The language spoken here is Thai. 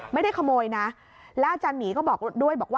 ไม่ได้ขโมยนะแล้วอาจารย์หมีก็บอกด้วยบอกว่า